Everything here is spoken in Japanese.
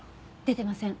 出てません。